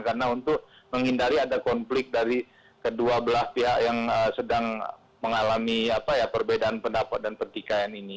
karena untuk menghindari ada konflik dari kedua belah pihak yang sedang mengalami perbedaan pendapat dan pertikaian ini